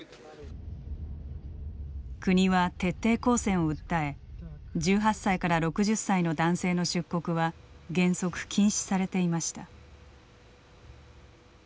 国は徹底抗戦を訴え１８歳から６０歳の男性の出国は原則禁止されていました。